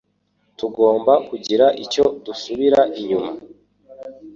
Tugomba kugira icyo dusubira inyuma